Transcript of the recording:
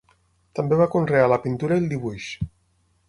També va conrear la pintura i el dibuix.